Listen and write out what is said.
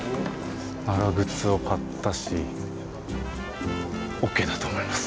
長靴を買ったしＯＫだと思います。